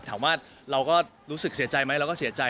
ถามว่าเราก็รู้สึกเสียใจไหมเราก็เสียใจ